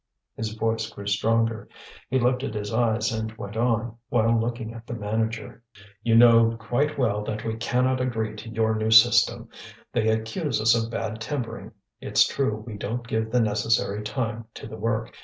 His voice grew stronger. He lifted his eyes and went on, while looking at the manager. "You know quite well that we cannot agree to your new system. They accuse us of bad timbering. It's true we don't give the necessary time to the work.